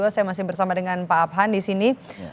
saya masih bersama dengan pak abhan disini